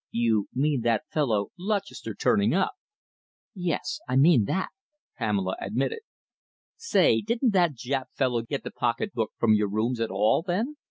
"You mean that fellow Lutchester turning up?" "Yes, I mean that," Pamela admitted. "Say, didn't that Jap fellow get the pocketbook from your rooms at all, then?"